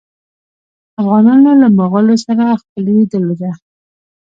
افغانانو له مغولو سره خپلوي درلودله.